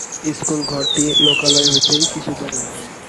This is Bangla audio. স্কুলঘরটি লোকালয় হইতে কিছু দূরে।